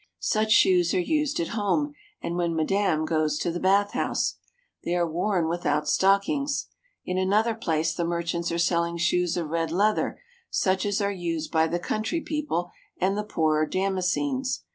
Such shoes are used at home and when madame goes to the bathhouse. They are worn without stockings. In an other place the merchants are selling shoes of red leather such as are used by the country people and the poorer Damascenes.